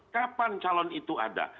kapan calon itu ada